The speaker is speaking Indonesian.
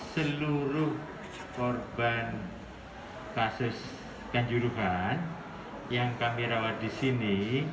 seluruh korban kasus kanjuruhan yang kami rawat di sini